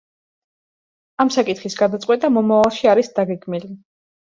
ამ საკითხის გადაწყვეტა მომავალში არის დაგეგმილი.